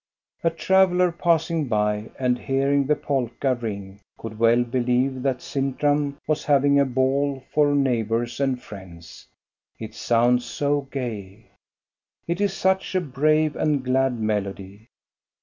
A traveller passing by and hearing the polka ring could well believe that Sintram was having a ball for neighbors and friends, it sounds so gay. It is such a brave and glad melody.